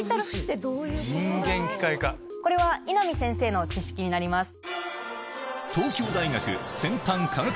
これは稲見先生の知識になります。